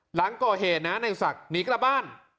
หลังก่อเหตุนะในศักดิ์หนีกลับบ้าน